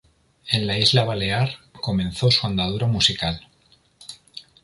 En la isla balear comenzó su andadura musical.